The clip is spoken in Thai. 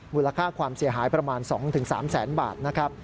มูลค่าความเสียหายประมาณ๒๓แสนบาทนะครับ